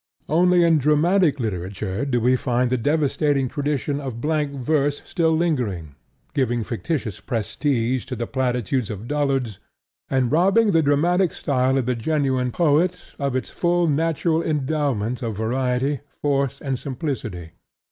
Only in dramatic literature do we find the devastating tradition of blank verse still lingering, giving factitious prestige to the platitudes of dullards, and robbing the dramatic style of the genuine poet of its full natural endowment of variety, force and simplicity.